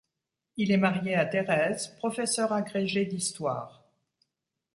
Il est marié à Thérèse, professeur agrégé d'histoire.